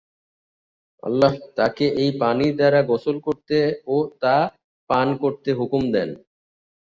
আল্লাহ তাঁকে এই পানি দ্বারা গোসল করতে ও তা পান করতে হুকুম দেন।